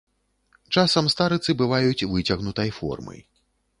Часам старыцы бываюць выцягнутай формы.